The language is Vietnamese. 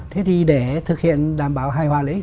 thế thì để thực hiện đảm bảo hài hòa lợi ích